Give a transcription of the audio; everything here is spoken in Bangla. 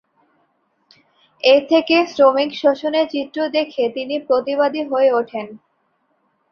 এ থেকে শ্রমিক শোষণের চিত্র দেখে তিনি প্রতিবাদী হয়ে ওঠেন।